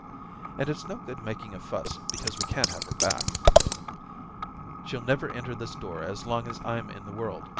And it's no good making a fuss, because we can't have her back.' * She'll never enter this door as long as I'm in the world. ...